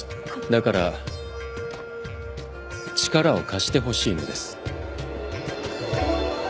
だから力を貸してほしいのです。